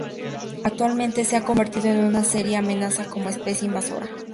Actualmente se ha convertido en una seria amenaza como especie invasora.